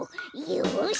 よし！